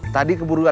tadi keburu ada tamu